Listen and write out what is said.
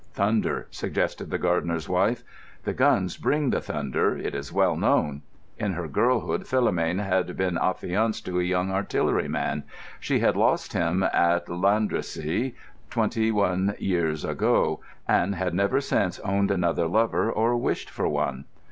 "Thunder," suggested the gardener's wife. "The guns bring the thunder; it is well known." In her girlhood Philomène had been affianced to a young artilleryman; she had lost him at Landrecy twenty one years ago, and had never since owned another lover or wished for one.